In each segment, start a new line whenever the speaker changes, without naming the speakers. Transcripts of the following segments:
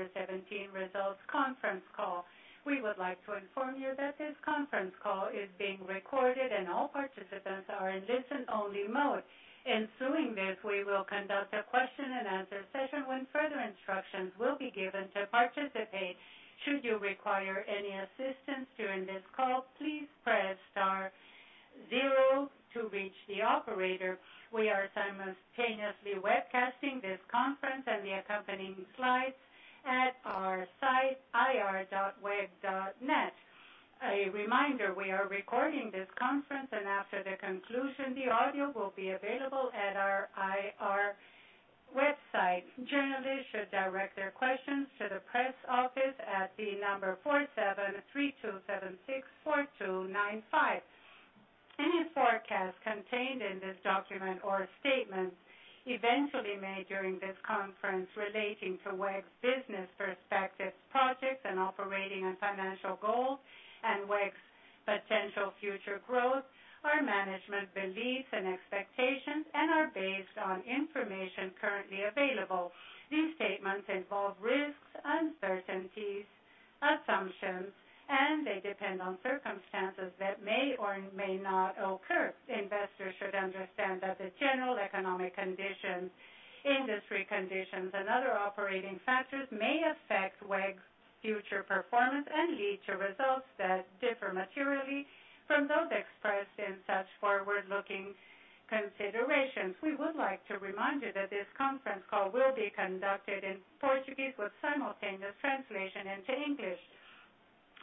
Welcome to WEG's fourth quarter 2017 results conference call. We would like to inform you that this conference call is being recorded and all participants are in listen-only mode. Ensuing this, we will conduct a question and answer session when further instructions will be given to participate. Should you require any assistance during this call, please press star zero to reach the operator. We are simultaneously webcasting this conference and the accompanying slides at our site, ir.weg.net. A reminder, we are recording this conference, and after the conclusion, the audio will be available at our IR website. Journalists should direct their questions to the press office at the number 4732764295. Any forecast contained in this document or statements eventually made during this conference relating to WEG's business perspective, projects, and operating and financial goals and WEG's potential future growth are management beliefs and expectations and are based on information currently available. These statements involve risks, uncertainties, assumptions. They depend on circumstances that may or may not occur. Investors should understand that the general economic conditions, industry conditions, and other operating factors may affect WEG's future performance and lead to results that differ materially from those expressed in such forward-looking considerations. We would like to remind you that this conference call will be conducted in Portuguese with simultaneous translation into English.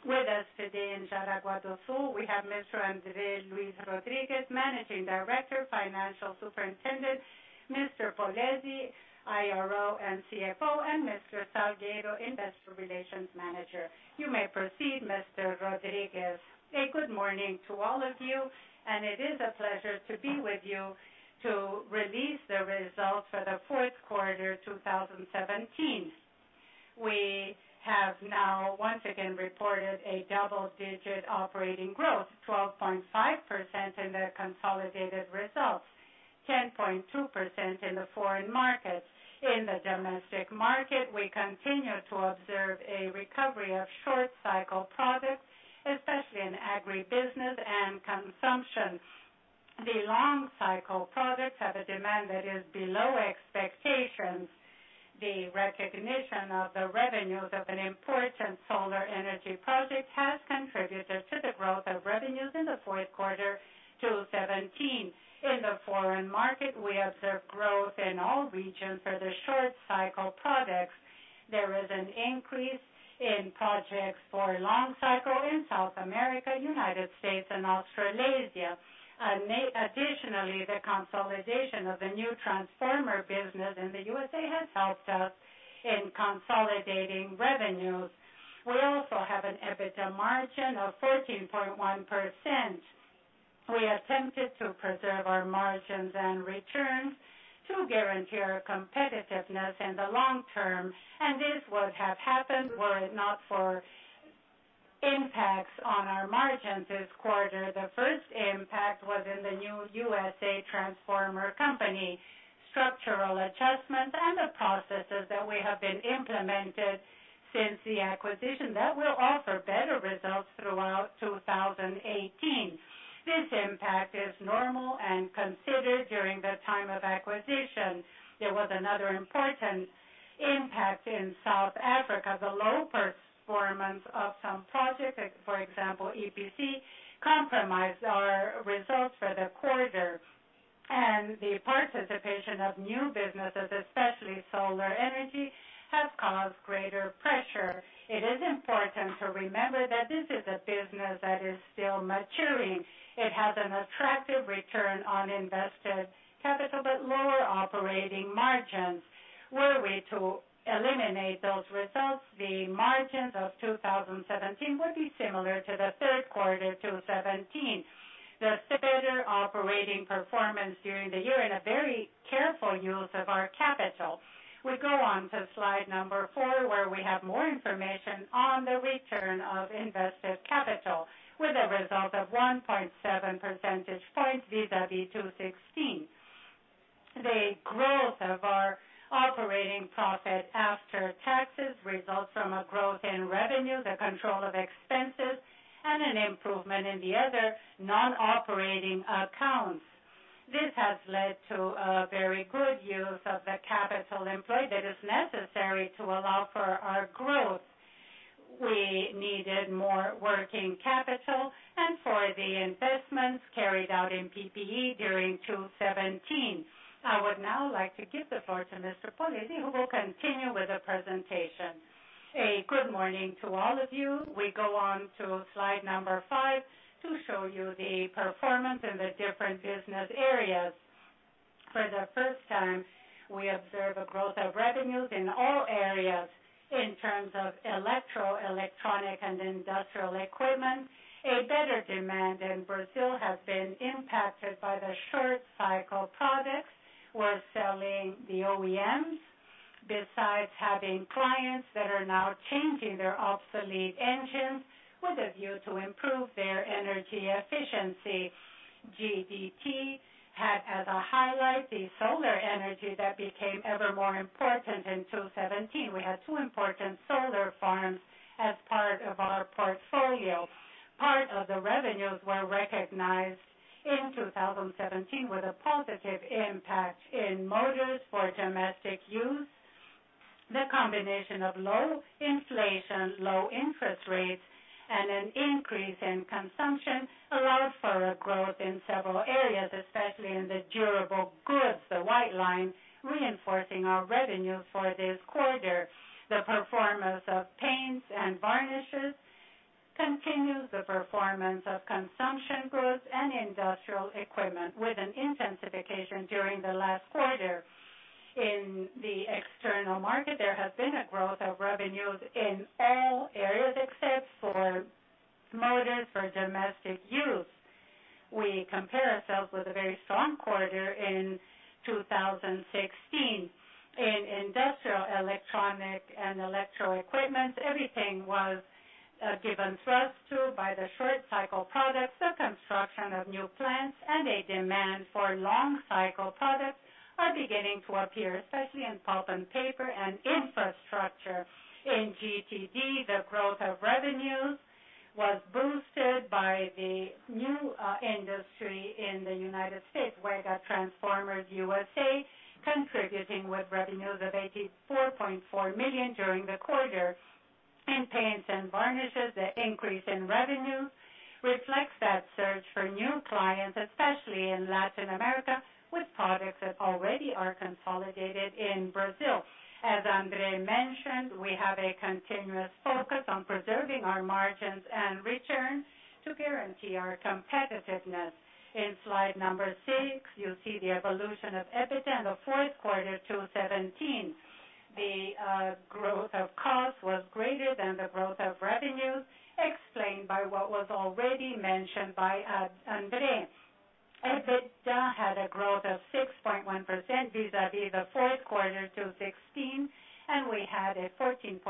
With us today in Jaraguá do Sul, we have Mr. André Luis Rodrigues, Managing Director, Financial Superintendent, Mr. Polezi, IRO and CFO, and Mr. Salgueiro, Investor Relations Manager. You may proceed, Mr. Rodrigues.
A good morning to all of you. It is a pleasure to be with you to release the results for the fourth quarter 2017. We have now once again reported a double-digit operating growth, 12.5% in the consolidated results, 10.2% in the foreign markets. In the domestic market, we continue to observe a recovery of short-cycle products, especially in agribusiness and consumption. The long-cycle products have a demand that is below expectations. The recognition of the revenues of an important solar energy project has contributed to the growth of revenues in the fourth quarter 2017. In the foreign market, we observe growth in all regions for the short-cycle products. There is an increase in projects for long-cycle in South America, U.S., and Australasia. Additionally, the consolidation of the new transformer business in the U.S.A. has helped us in consolidating revenues. We also have an EBITDA margin of 14.1%. We attempted to preserve our margins and returns to guarantee our competitiveness in the long term. This would have happened were it not for impacts on our margins this quarter. The first impact was in the new U.S.A. transformer company. Structural adjustments and the processes that we have been implementing since the acquisition that will offer better results throughout 2018. This impact is normal and considered during the time of acquisition. There was another important impact in South Africa. The low performance of some projects, for example, EPC, compromised our results for the quarter. The participation of new businesses, especially solar energy, has caused greater pressure. It is important to remember that this is a business that is still maturing. It has an attractive return on invested capital, but lower operating margins. Were we to eliminate those results, the margins of 2017 would be similar to the third quarter 2017. The better operating performance during the year and a very careful use of our capital. We go on to slide number four, where we have more information on the return of invested capital with a result of 1.7 percentage points vis-à-vis 2016. The growth of our operating profit after taxes results from a growth in revenue, the control of expenses, and an improvement in the other non-operating accounts. This has led to a very good use of the capital employed that is necessary to allow for our growth. We needed more working capital and for the investments carried out in PPE during 2017. I would now like to give the floor to Mr. Polezi, who will continue with the presentation. A good morning to all of you.
We go on to slide number five to show you the performance in the different business areas. For the first time, we observe a growth of revenues in all areas in terms of electro, electronic, and industrial equipment. A better demand in Brazil has been impacted by the short-cycle products. We're selling the OEMs Besides having clients that are now changing their obsolete engines with a view to improve their energy efficiency. GTD had, as a highlight, the solar energy that became ever more important in 2017. We had two important solar farms as part of our portfolio. Part of the revenues were recognized in 2017 with a positive impact in motors for domestic use. The combination of low inflation, low interest rates, and an increase in consumption allowed for a growth in several areas, especially in the durable goods, the white line, reinforcing our revenues for this quarter. The performance of paints and varnishes continues the performance of consumption growth and industrial equipment with an intensification during the last quarter. In the external market, there has been a growth of revenues in all areas except for motors for domestic use. We compare ourselves with a very strong quarter in 2016. In industrial, electronic, and electro equipment, everything was given thrust to by the short-cycle products. The construction of new plants and a demand for long-cycle products are beginning to appear, especially in pulp and paper and infrastructure. In GTD, the growth of revenues was boosted by the new industry in the United States, WEG Transformers USA, contributing with revenues of 84.4 million during the quarter. In paints and varnishes, the increase in revenue reflects that search for new clients, especially in Latin America, with products that already are consolidated in Brazil. As André mentioned, we have a continuous focus on preserving our margins and returns to guarantee our competitiveness. In slide number six, you'll see the evolution of EBITDA in the fourth quarter 2017. The growth of cost was greater than the growth of revenues, explained by what was already mentioned by André. EBITDA had a growth of 6.1% vis-à-vis the fourth quarter 2016, and we had a 14.1%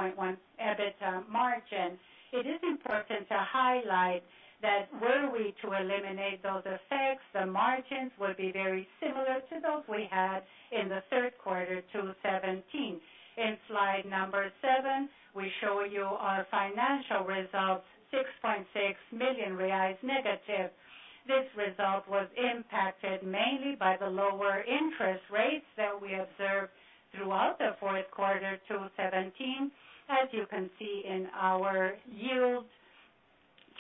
EBITDA margin. It is important to highlight that were we to eliminate those effects, the margins would be very similar to those we had in the third quarter 2017. In slide number seven, we show you our financial results, 6.6 million reais negative. This result was impacted mainly by the lower interest rates that we observed throughout the fourth quarter 2017, as you can see in our yield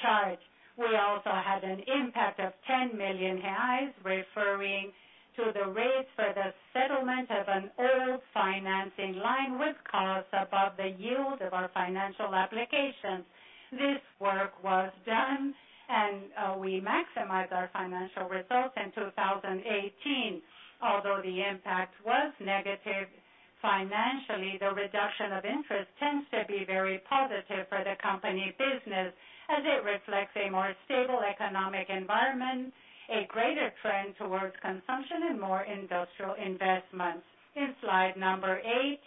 chart. We also had an impact of 10 million reais, referring to the rates for the settlement of an old financing line with costs above the yield of our financial applications. This work was done. We maximize our financial results in 2018. Although the impact was negative financially, the reduction of interest tends to be very positive for the company business as it reflects a more stable economic environment, a greater trend towards consumption, and more industrial investments. In slide number eight,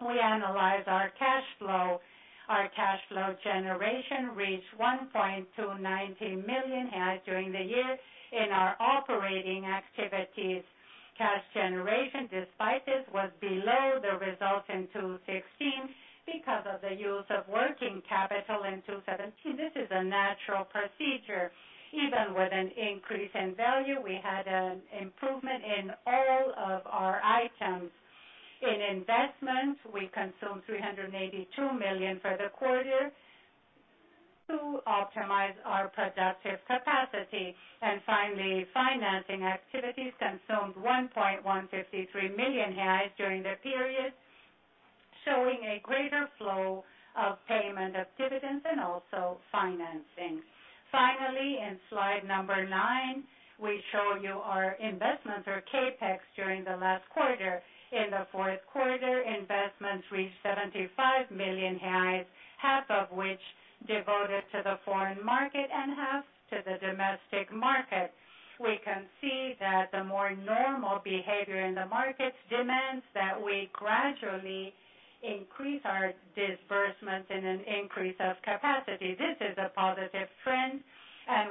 we analyze our cash flow. Our cash flow generation reached 1,290 million during the year. In our operating activities, cash generation, despite this, was below the results in 2016 because of the use of working capital in 2017. This is a natural procedure. Even with an increase in value, we had an improvement in all of our items. In investments, we consumed 382 million for the quarter to optimize our productive capacity. Finally, financing activities consumed 1,153 million reais during the period, showing a greater flow of payment of dividends and also financing. Finally, in slide number nine, we show you our investments or CapEx during the last quarter. In the fourth quarter, investments reached 75 million reais, half of which devoted to the foreign market and half to the domestic market. We can see that the more normal behavior in the markets demands that we gradually increase our disbursement and an increase of capacity. This is a positive trend.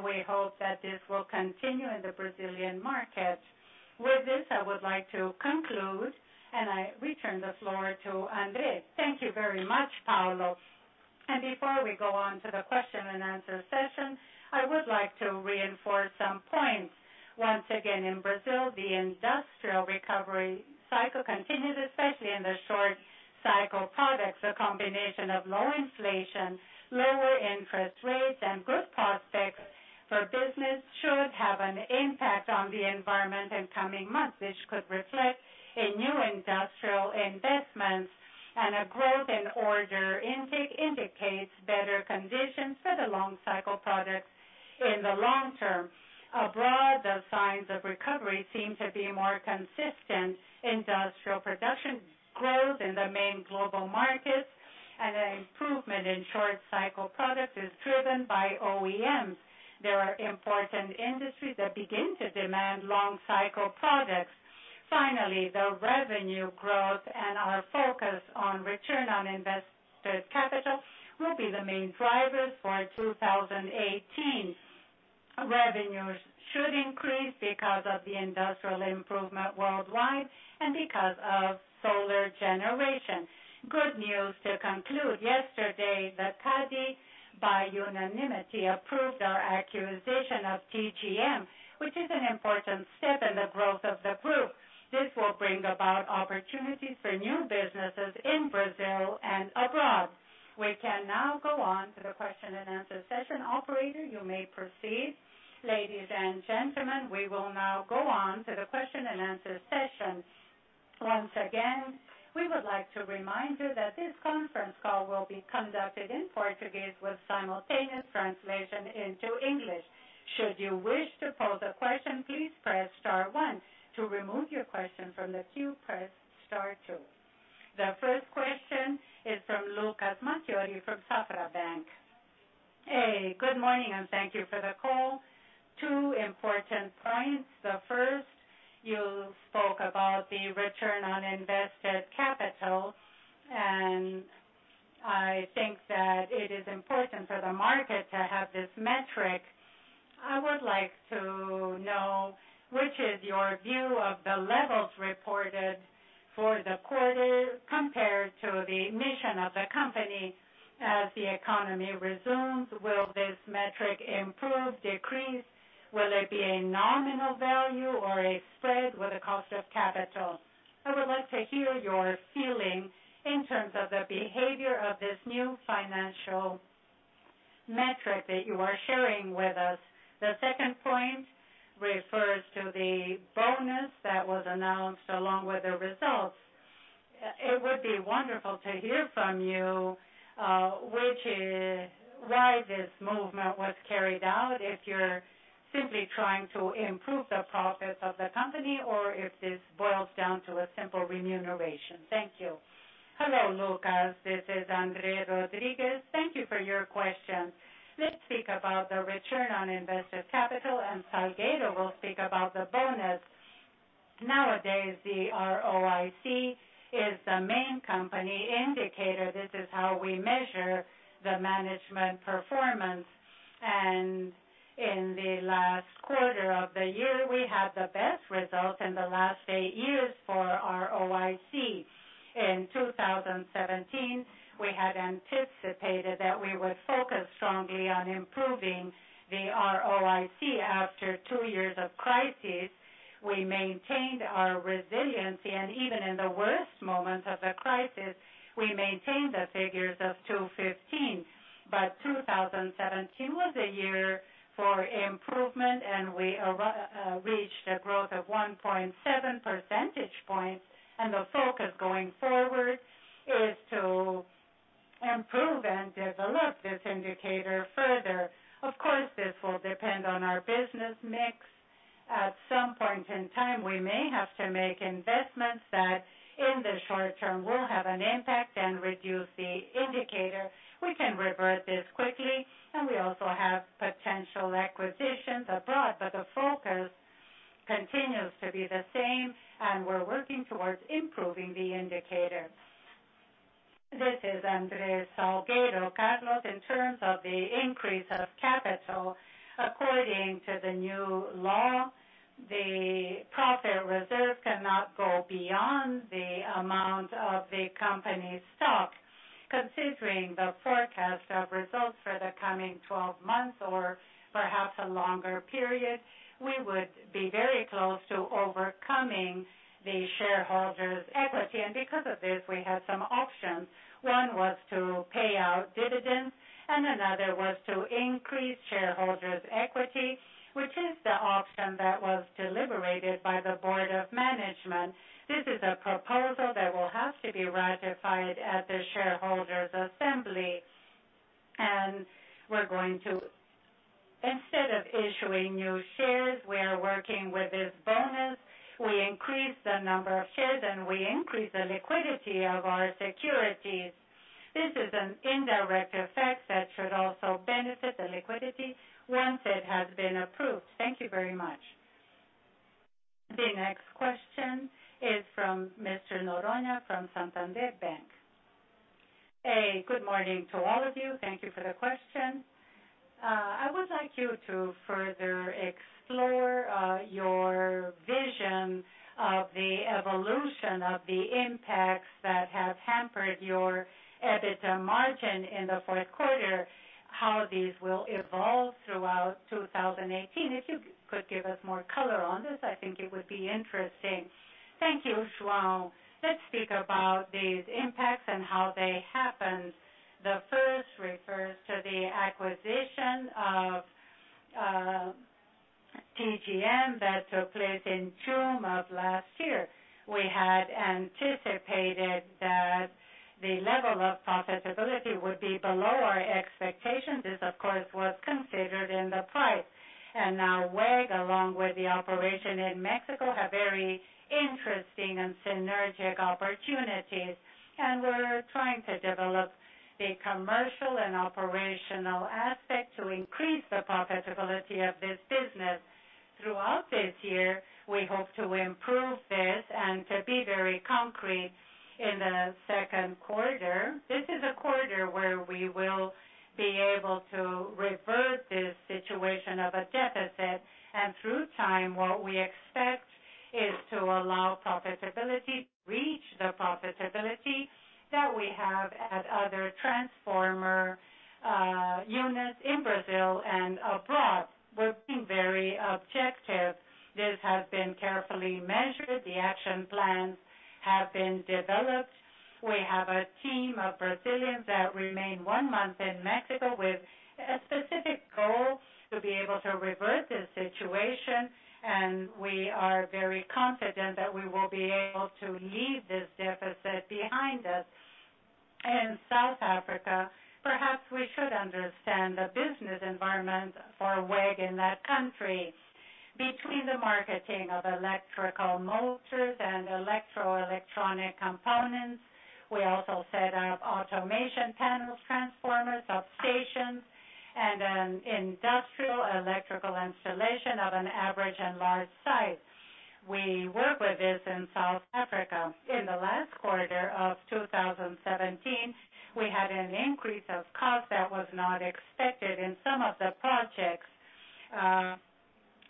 We hope that this will continue in the Brazilian market. With this, I would like to conclude. I return the floor to André.
Thank you very much, Paulo. Before we go on to the question-and-answer session, I would like to reinforce some points. Once again, in Brazil, the industrial recovery cycle continues, especially in the short-cycle products. A combination of low inflation, lower interest rates, and good prospects for business should have an impact on the environment in coming months, which could reflect in new industrial investments. A growth in order intake indicates better conditions for the long-cycle products in the long term. Abroad, the signs of recovery seem to be more consistent. Industrial production growth in the main global markets. An improvement in short-cycle products is driven by OEMs. There are important industries that begin to demand long-cycle products. Finally, the revenue growth and our focus on return on invested capital will be the main drivers for 2018. Revenues should increase because of the industrial improvement worldwide and because of solar generation. Good news to conclude, yesterday, the CADE, by unanimity, approved our acquisition of TGM, which is an important step in the growth of the group. This will bring about opportunities for new businesses in Brazil and abroad. We can now go on to the question-and-answer session. Operator, you may proceed.
Ladies and gentlemen, we will now go on to the question-and-answer session. Once again, we would like to remind you that this conference call will be conducted in Portuguese with simultaneous translation into English. Should you wish to pose a question, please press star one. To remove your question from the queue, press star two. The first question is from Lucas Marquiori from Safra Bank.
Good morning. Thank you for the call. Two important points. The first, you spoke about the return on invested capital, I think that it is important for the market to have this metric. I would like to know, which is your view of the levels reported for the quarter compared to the mission of the company? As the economy resumes, will this metric improve, decrease? Will it be a nominal value or a spread with a cost of capital? I would like to hear your feeling in terms of the behavior of this new financial metric that you are sharing with us. The second point refers to the bonus that was announced along with the results. It would be wonderful to hear from you why this movement was carried out, if you're simply trying to improve the profits of the company, or if this boils down to a simple remuneration. Thank you.
Hello, Lucas. This is André Luís Rodrigues. Thank you for your question. Let's speak about the return on invested capital, Salgueiro will speak about the bonus. Nowadays, the ROIC is the main company indicator. This is how we measure the management performance. In the last quarter of the year, we had the best results in the last eight years for ROIC. In 2017, we had anticipated that we would focus strongly on improving the ROIC. After two years of crisis, we maintained our resiliency, even in the worst moment of the crisis, we maintained the figures of 2015. 2017 was a year for improvement, we reached a growth of 1.7 percentage points, the focus going forward is to improve and develop this indicator further. Of course, this will depend on our business mix. At some point in time, we may have to make investments that in the short term will have an impact and reduce the indicator. We can revert this quickly, we also have potential acquisitions abroad. The focus continues to be the same, we're working towards improving the indicator.
This is André Salgueiro. Lucas, in terms of the increase of capital, according to the new law, the profit reserve cannot go beyond the amount of the company's stock. Considering the forecast of results for the coming 12 months or perhaps a longer period, we would be very close to overcoming the shareholders' equity. Because of this, we had some options. One was to pay out dividends, another was to increase shareholders' equity, which is the option that was deliberated by the board of management. This is a proposal that will have to be ratified at the shareholders' assembly. Instead of issuing new shares, we are working with this bonus. We increase the number of shares, we increase the liquidity of our securities. This is an indirect effect that should also benefit the liquidity once it has been approved. Thank you very much.
The next question is from Mr. Noronha from Santander Bank.
Hey, good morning to all of you. Thank you for the question. I would like you to further explore your vision of the evolution of the impacts that have hampered your EBITDA margin in the fourth quarter, how these will evolve throughout 2018. If you could give us more color on this, I think it would be interesting.
Thank you, João. Let's speak about these impacts and how they happened. The first refers to the acquisition of TGM that took place in June of last year. We had anticipated that the level of profitability would be below our expectations. This, of course, was considered in the price. Now WEG, along with the operation in Mexico, have very interesting and synergic opportunities. We're trying to develop a commercial and operational aspect to increase the profitability of this business. Throughout this year, we hope to improve this and to be very concrete in the second quarter. This is a quarter where we will be able to revert this situation of a deficit. Through time, what we expect is to allow profitability to reach the profitability that we have at other transformer units in Brazil and abroad. We're being very objective. This has been carefully measured. The action plans have been developed. We have a team of Brazilians that remain one month in Mexico with a specific goal to be able to revert this situation. We are very confident that we will be able to leave this deficit behind us. In South Africa, perhaps we should understand the business environment for WEG in that country. Between the marketing of electrical motors and electro electronic components, we also set up automation panels, transformers, substations, and an industrial electrical installation of an average and large size. We work with this in South Africa. In the last quarter of 2017, we had an increase of cost that was not expected in some of the projects,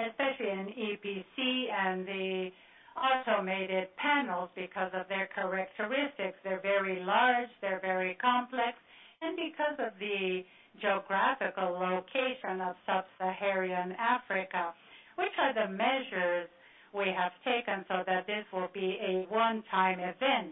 especially in EPC and the automated panels because of their characteristics. They're very large, they're very complex, and because of the geographical location of sub-Saharan Africa. Which are the measures we have taken so that this will be a one-time event?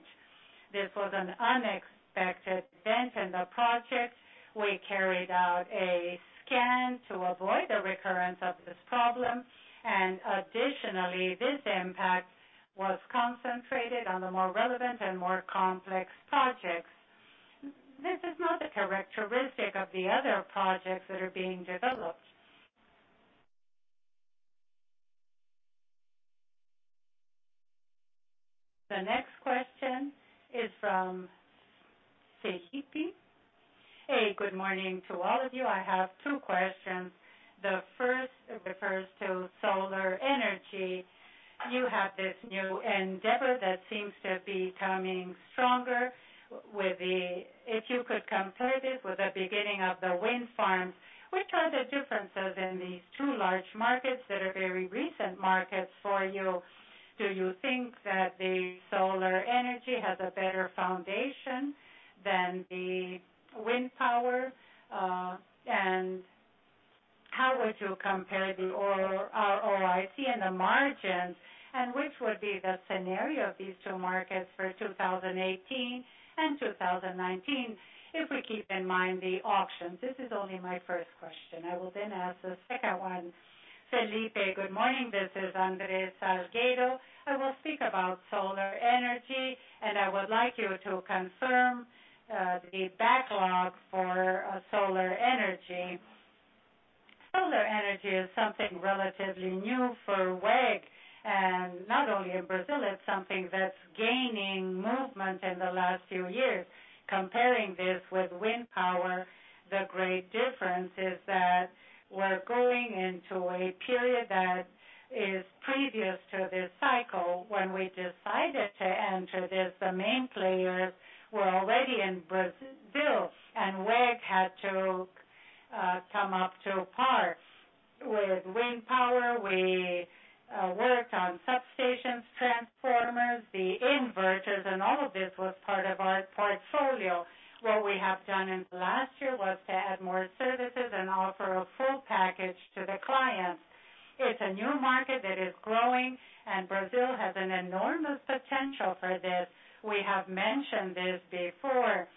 This was an unexpected event in the project. We carried out a scan to avoid the recurrence of this problem. Additionally, this impact was concentrated on the more relevant and more complex projects. This is not the characteristic of the other projects that are being developed. The next question is from Felipe. Hey, good morning to all of you. I have two questions. The first refers to solar energy. You have this new endeavor that seems to be coming stronger. If you could compare this with the beginning of the wind farms, which are the differences in these two large markets that are very recent markets for you? Do you think that the solar energy has a better foundation than the wind power?
How would you compare the ROIC and the margins, which would be the scenario of these two markets for 2018 and 2019, if we keep in mind the auctions? This is only my first question. I will then ask the second one. Felipe, good morning. This is André Salgueiro. I will speak about solar energy. I would like you to confirm, the backlog for solar energy. Solar energy is something relatively new for WEG, not only in Brazil, it's something that's gaining movement in the last few years. Comparing this with wind power, the great difference is that we're going into a period that is previous to this cycle. When we decided to enter this, the main players were already in Brazil. WEG had to come up to par. With wind power, we worked on substations, transformers, the inverters, all of this was part of our portfolio. What we have done in the last year was to add more services and offer a full package to the clients. It's a new market that is growing, Brazil has an enormous potential for this. We have mentioned this before.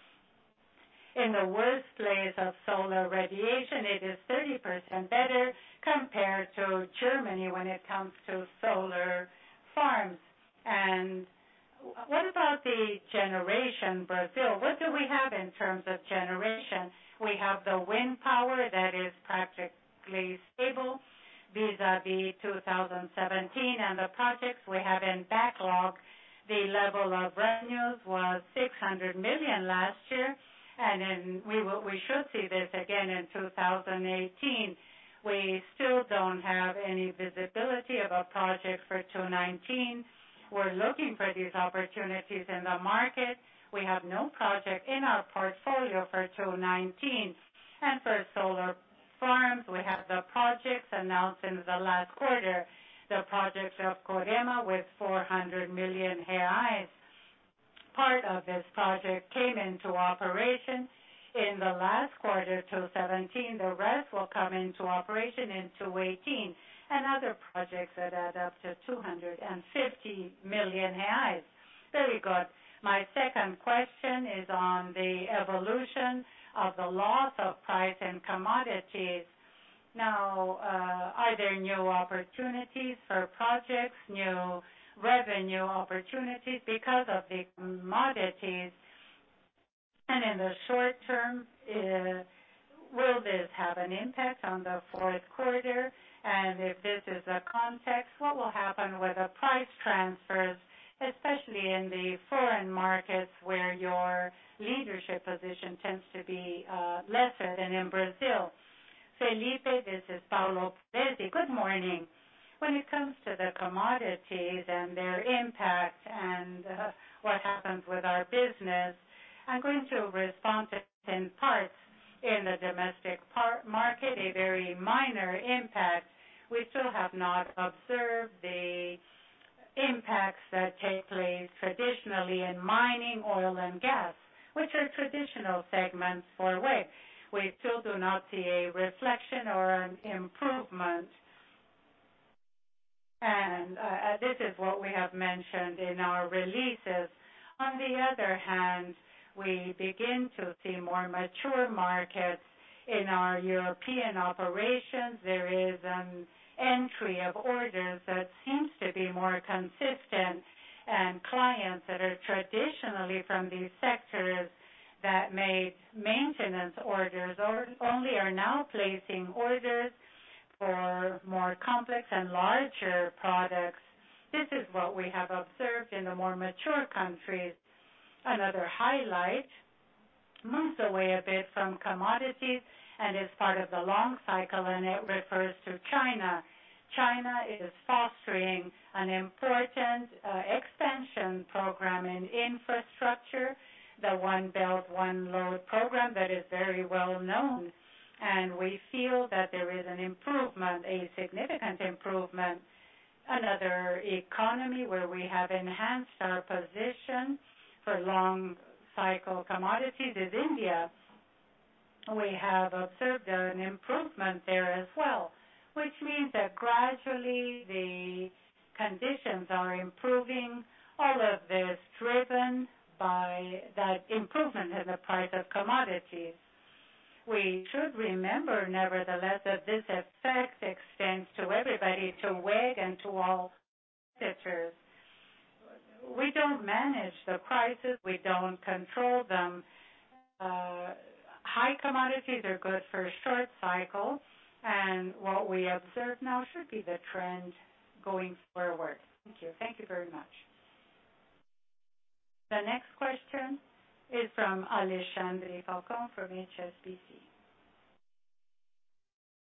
In the worst place of solar radiation, it is 30% better compared to Germany when it comes to solar farms. What about the generation, Brazil? What do we have in terms of generation? We have the wind power that is practically stable vis-a-vis 2017 and the projects we have in backlog. The level of revenues was 600 million last year, and we should see this again in 2018. We still don't have any visibility of a project for 2019. We're looking for these opportunities in the market.
We have no project in our portfolio for 2019. For solar farms, we have the projects announced in the last quarter, the projects of Coremas with 400 million reais. Part of this project came into operation in the last quarter, 2017. The rest will come into operation in 2018. Other projects that add up to 250 million reais. Very good. My second question is on the evolution of the loss of price in commodities. Are there new opportunities for projects, new revenue opportunities because of the commodities? In the short term, will this have an impact on the fourth quarter? If this is the context, what will happen with the price transfers, especially in the foreign markets where your leadership position tends to be lesser than in Brazil? Felipe, this is Paulo Polezi. Good morning.
When it comes to the commodities and their impact and what happens with our business, I'm going to respond to it in parts. In the domestic market, a very minor impact. We still have not observed the impacts that take place traditionally in mining, oil, and gas, which are traditional segments for WEG. We still do not see a reflection or an improvement, this is what we have mentioned in our releases. On the other hand, we begin to see more mature markets. In our European operations, there is an entry of orders that seems to be more consistent, clients that are traditionally from these sectors that made maintenance orders, only are now placing orders for more complex and larger products. This is what we have observed in the more mature countries. Another highlight moves away a bit from commodities and is part of the long cycle, it refers to China. China is fostering an important expansion program in infrastructure, the One Belt, One Road program that is very well known. We feel that there is an improvement, a significant improvement. Another economy where we have enhanced our position for long-cycle commodities is India. We have observed an improvement there as well, which means that gradually the conditions are improving. All of this driven by the improvement in the price of commodities. We should remember, nevertheless, that this effect extends to everybody, to WEG and to all competitors. We don't manage the prices. We don't control them. High commodities are good for a short cycle, what we observe now should be the trend going forward.
Thank you. Thank you very much. The next question is from Alexandre Falcao from HSBC.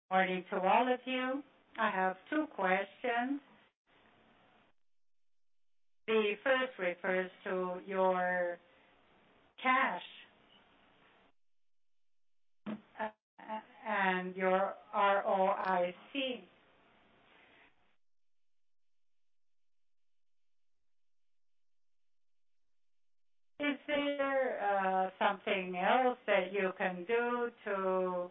Good morning to all of you. I have two questions. The first refers to your cash and your ROIC. Is there something else that you can do to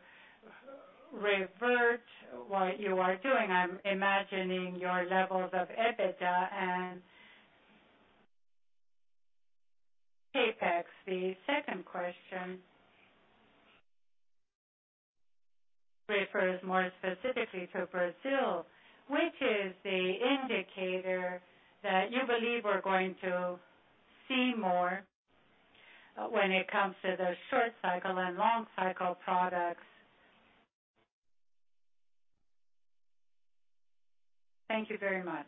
revert what you are doing? I'm imagining your levels of EBITDA and CapEx. The second question refers more specifically to Brazil, which is the indicator that you believe we're going to see more when it comes to the short-cycle and long-cycle products. Thank you very much.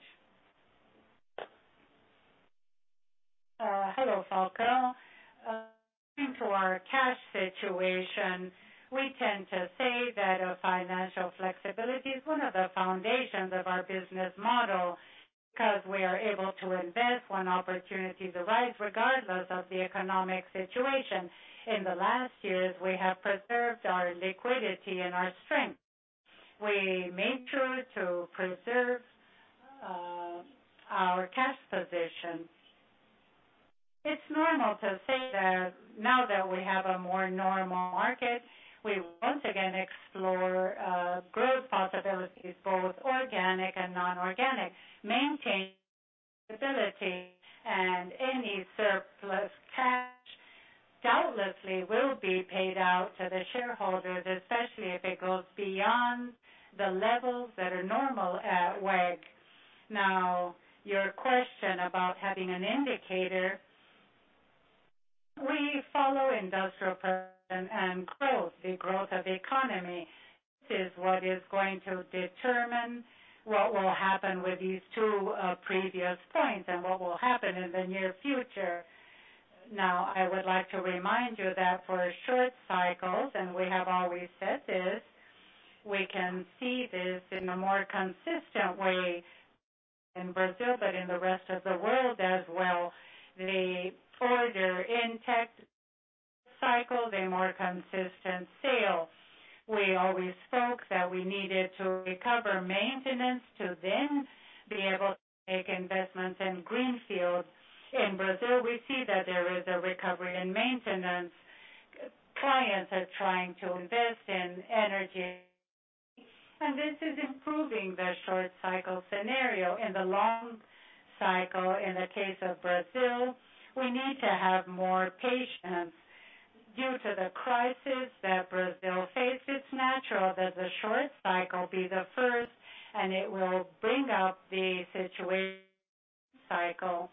Hello, Falcao. Into our cash situation, we tend to say that financial flexibility is one of the foundations of our business model because we are able to invest when opportunities arise, regardless of the economic situation. In the last years, we have preserved our liquidity and our strength. We made sure to preserve our cash position. It's normal to say that now that we have a more normal market, we once again explore growth possibilities, both organic and non-organic. Maintain stability and any surplus cash doubtlessly will be paid out to the shareholders, especially if it goes beyond the levels that are normal at WEG. Your question about having an indicator. We follow industrial growth, the growth of the economy. This is what is going to determine what will happen with these two previous points and what will happen in the near future. I would like to remind you that for short cycles, and we have always said this, we can see this in a more consistent way in Brazil, but in the rest of the world as well. The further intact cycle, the more consistent sale. We always spoke that we needed to recover maintenance to then be able to make investments in Greenfield. In Brazil, we see that there is a recovery in maintenance. Clients are trying to invest in energy, and this is improving the short cycle scenario. In the long cycle, in the case of Brazil, we need to have more patience. Due to the crisis that Brazil faces, it's natural that the short cycle be the first, and it will bring up the situation cycle.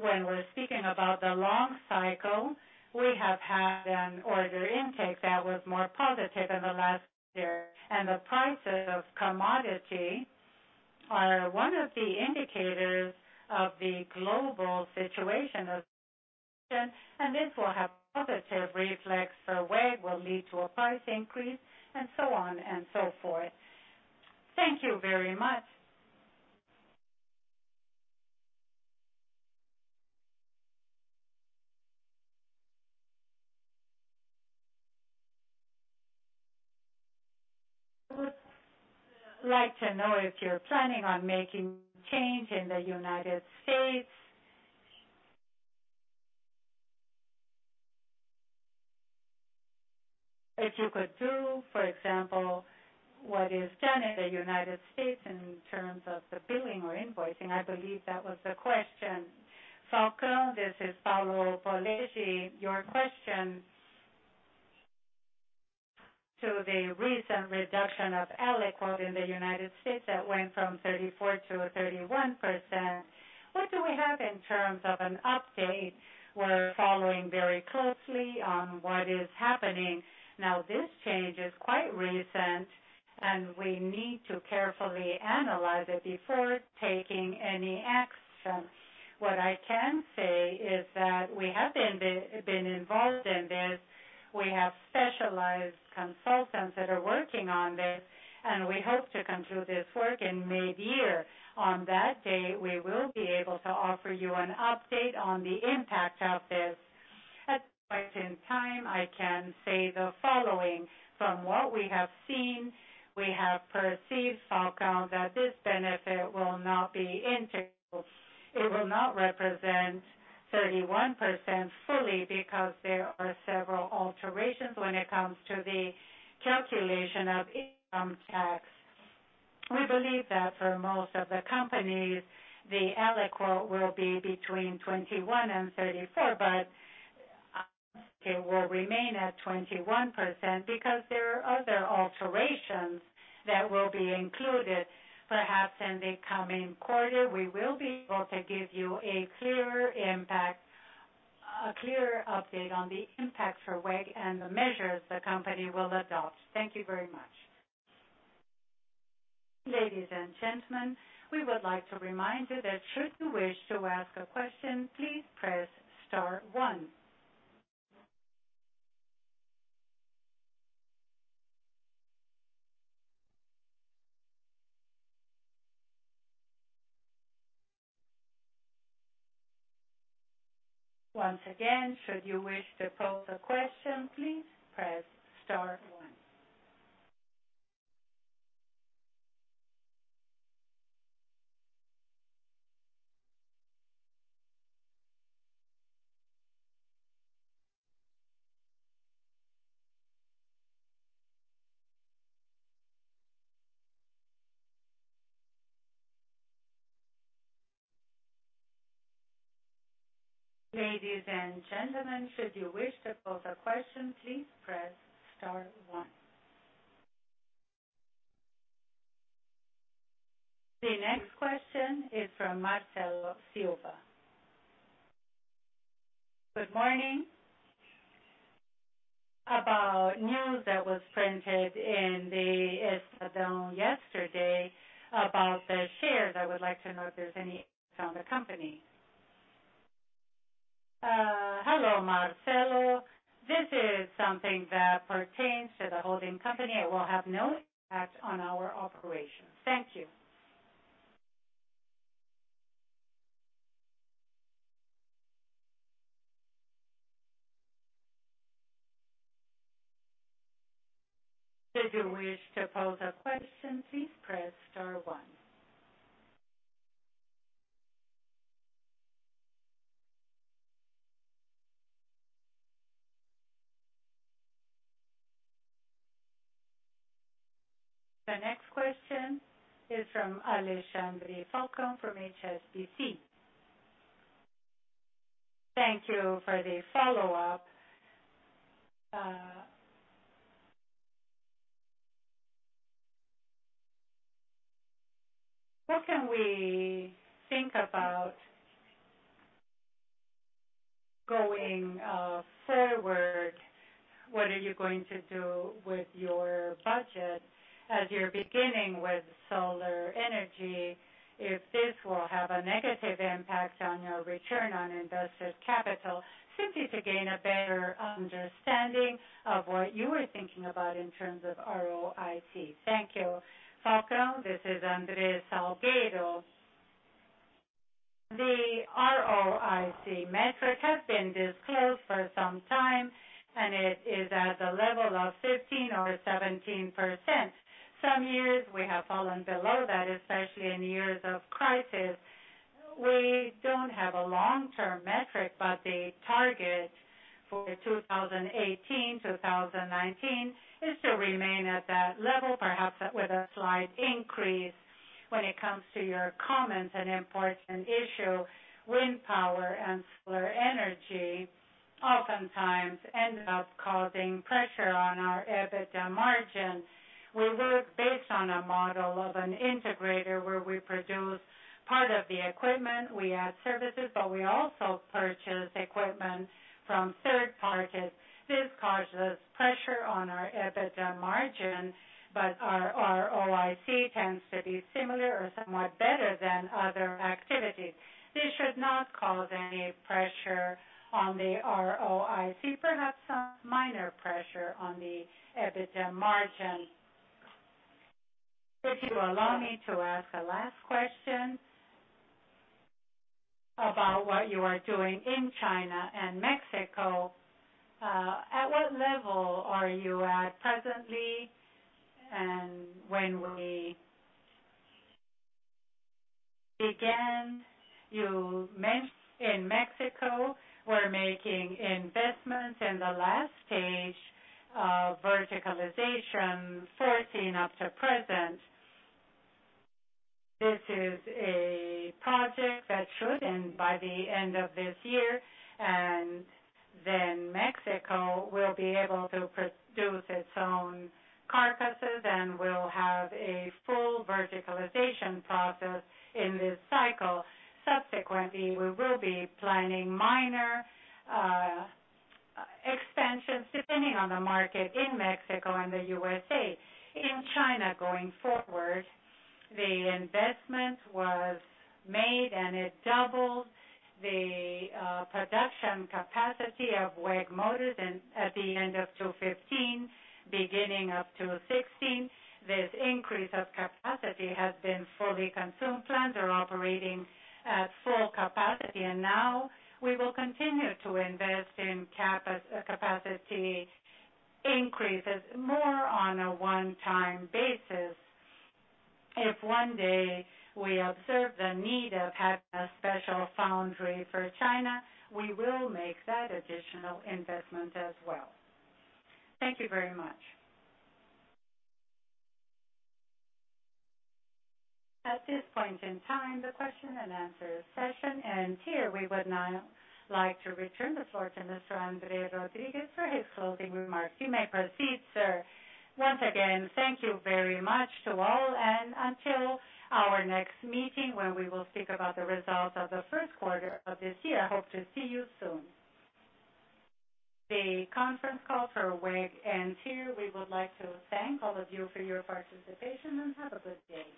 When we're speaking about the long cycle, we have had an order intake that was more positive in the last year, and the prices of commodity are one of the indicators of the global situation of, and this will have positive reflex for WEG, will lead to a price increase, and so on and so forth.
Thank you very much. I would like to know if you're planning on making change in the U.S. If you could do, for example, what is done in the U.S. in terms of the billing or invoicing. I believe that was the question.
Falcao, this is Paulo Polezi. Your question to the recent reduction of aliquot in the U.S. that went from 34% to 31%. What do we have in terms of an update? We're following very closely on what is happening. This change is quite recent, and we need to carefully analyze it before taking any action. What I can say is that we have been involved in this. We have specialized consultants that are working on this, and we hope to conclude this work in mid-year. On that date, we will be able to offer you an update on the impact of this. At this point in time, I can say the following. From what we have seen, we have perceived, Falcao, that this benefit will not be integral. It will not represent 31% fully because there are several alterations when it comes to the calculation of income tax. We believe that for most of the companies, the aliquot will be between 21% and 34%, but I don't think it will remain at 21% because there are other alterations that will be included. Perhaps in the coming quarter, we will be able to give you a clearer update on the impact for WEG and the measures the company will adopt. Thank you very much.
Ladies and gentlemen, we would like to remind you that should you wish to ask a question, please press star one. Once again, should you wish to pose a question, please press star one. Ladies and gentlemen, should you wish to pose a question, please press star one. The next question is from Marcelo Silva.
Good morning. About news that was printed in the Estado yesterday about the shares. I would like to know if there's any impact on the company. Hello, Marcelo. This is something that pertains to the holding company. It will have no impact on our operations.
Thank you. Should you wish to pose a question, please press star one. The next question is from Alexandre Falcao from HSBC.
Thank you for the follow-up. What can we think about going forward? What are you going to do with your budget as you're beginning with solar energy, if this will have a negative impact on your return on investors' capital? Simply to gain a better understanding of what you are thinking about in terms of ROIC. Thank you.
Falcao, this is André Salgueiro. The ROIC metric has been disclosed for some time, and it is at the level of 15% or 17%. Some years we have fallen below that, especially in years of crisis. We don't have a long-term metric, but the target for 2018, 2019, is to remain at that level, perhaps with a slight increase. When it comes to your comments, an important issue, wind power and solar energy oftentimes end up causing pressure on our EBITDA margin. We work based on a model of an integrator where we produce part of the equipment, we add services, but we also purchase equipment from third parties. This causes pressure on our EBITDA margin, but our ROIC tends to be similar or somewhat better than other activities. This should not cause any pressure on the ROIC, perhaps some minor pressure on the EBITDA margin.
If you allow me to ask a last question about what you are doing in China and Mexico. At what level are you at presently?
When we began, you mentioned in Mexico, we're making investments in the last stage of verticalization, 2014 up to present. This is a project that should end by the end of this year, and then Mexico will be able to produce its own carcasses and will have a full verticalization process in this cycle. Subsequently, we will be planning minor expansions depending on the market in Mexico and the USA. In China, going forward, the investment was made, and it doubled the production capacity of WEG Motors at the end of 2015, beginning of 2016. This increase of capacity has been fully consumed. Plants are operating at full capacity. Now we will continue to invest in capacity increases more on a one-time basis. If one day we observe the need of having a special foundry for China, we will make that additional investment as well.
Thank you very much. At this point in time, the question and answer session ends here. We would now like to return the floor to Mr. André Rodrigues for his closing remarks. You may proceed, sir.
Once again, thank you very much to all, and until our next meeting when we will speak about the results of the first quarter of this year, hope to see you soon.
The conference call for WEG ends here. We would like to thank all of you for your participation, and have a good day.